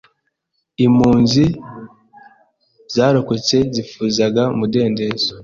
Impunzi zarokotse zifuzaga umudendezo.